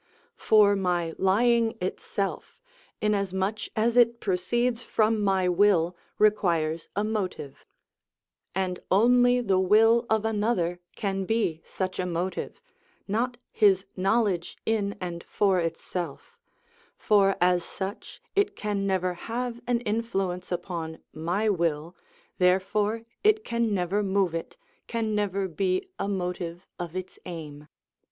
For my lying itself, inasmuch as it proceeds from my will, requires a motive; and only the will of another can be such a motive, not his knowledge in and for itself; for as such it can never have an influence upon my will, therefore it can never move it, can never be a motive of its aim.